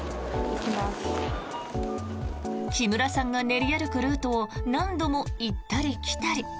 木村さんが練り歩くルートを何度も行ったり来たり。